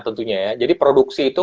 tentunya ya jadi produksi itu